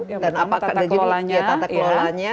yang pertama tata kelolanya